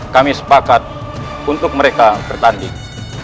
kami sepakat untuk mereka bertanding